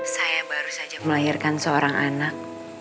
saya baru saja melahirkan seorang anak